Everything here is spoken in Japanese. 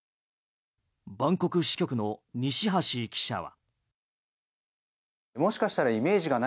バンコク支局の西橋記者は。